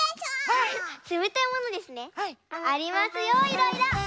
ありますよいろいろ。